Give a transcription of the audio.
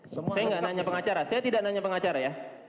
saya nggak nanya pengacara saya tidak nanya pengacara ya